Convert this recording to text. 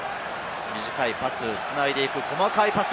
短いパスを繋いでいく、細かいパス。